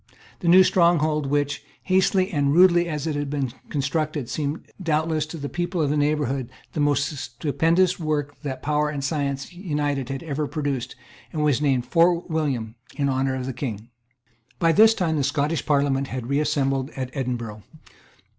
The new stronghold, which, hastily and rudely as it had been constructed, seemed doubtless to the people of the neighbourhood the most stupendous work that power and science united had ever produced, was named Fort William in honour of the King, By this time the Scottish Parliament had reassembled at Edinburgh.